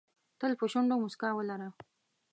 تل په شونډو موسکا ولره .